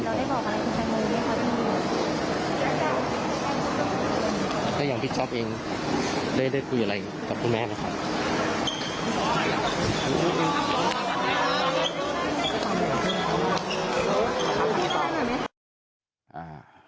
ก็อย่างพี่จ๊อบเองได้ได้คุยอะไรกับคุณแม่นะคะ